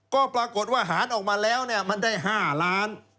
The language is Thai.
ก็ปรากฏว่าหารออกมาแล้วมันได้๕ล้าน